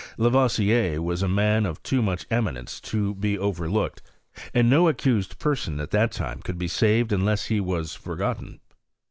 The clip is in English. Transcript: Lavoisier was a man ot too mach eminence to \m: overlooked, and no accused person at diafc time could be saved unless he was forgotten.